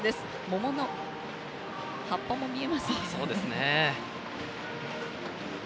桃の葉っぱも見えますね。